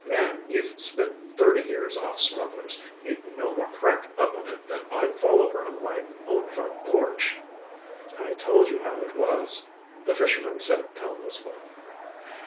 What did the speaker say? Man, you've spent thirty years off Smugglers'. You'd no more crack up on it than I'd fall over my own front porch." "I told you how it was," the fisherman said tonelessly.